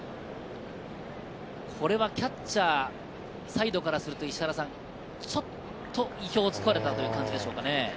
キャッチャーサイドからすると、ちょっと意表を突かれたという感じでしょうかね。